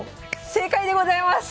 正解でございます！